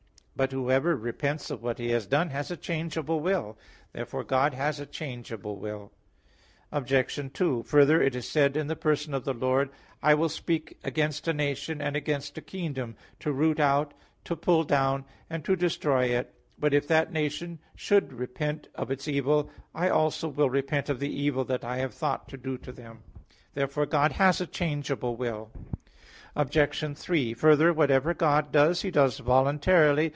But whoever repents of what he has done, has a changeable will. Therefore God has a changeable will. Obj. 2: Further, it is said in the person of the Lord: "I will speak against a nation and against a kingdom, to root out, and to pull down, and to destroy it; but if that nation shall repent of its evil, I also will repent of the evil that I have thought to do to them" (Jer. 18:7, 8). Therefore God has a changeable will. Obj. 3: Further, whatever God does, He does voluntarily.